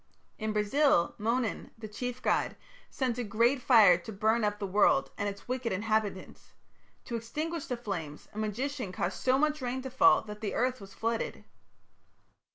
In Brazil, Monan, the chief god, sent a great fire to burn up the world and its wicked inhabitants. To extinguish the flames a magician caused so much rain to fall that the earth was flooded.